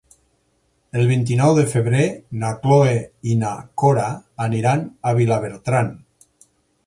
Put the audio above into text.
El vint-i-nou de febrer na Cloè i na Cora aniran a Vilabertran.